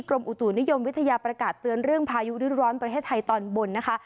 กรมอุตุนิยมวิทยาประกาศเตือนเรื่องพายุฤร้อนประเทศไทยตอนบนนะคะ